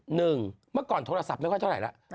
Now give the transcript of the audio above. เมื่อก่อนโทรศัพท์ไม่ค่อยเท่าไหร่แล้ว